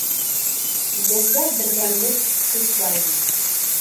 Беҙҙә берҙәмлек, көс бар ине.